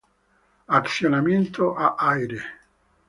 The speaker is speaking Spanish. Accionamiento a aire.